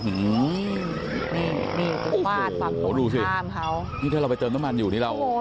อู๋โอ้โฮรู้สึกถ้าเราไปเติมน้ำมันอยู่นี่เรา